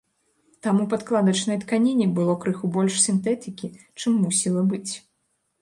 Там у падкладачнай тканіне было крыху больш сінтэтыкі, чым мусіла быць.